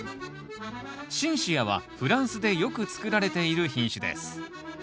シンシアはフランスでよく作られている品種です